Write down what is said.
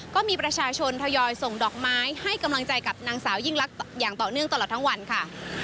ก็มีประชาชนทยอยส่งดอกไม้ให้กำลังใจกับนางสาวยิ่งลักษณ์อย่างต่อเนื่องตลอดทั้งวันค่ะ